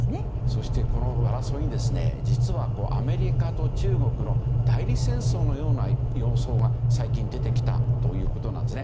そして、この争いに実はアメリカと中国の代理戦争のような様相が最近出てきたということです。